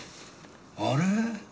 あれ？